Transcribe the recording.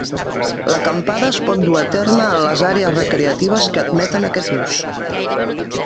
L'acampada es pot dur a terme en les àrees recreatives que admeten aquest ús.